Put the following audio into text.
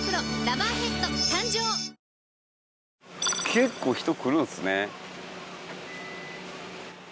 結構人来るんですね。